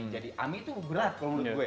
jadi ami itu berat kalau menurut gue